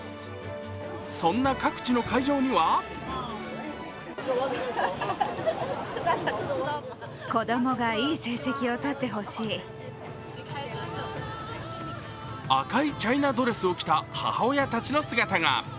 そんな各地の会場には赤いチャイナドレスを着た母親たちの姿が。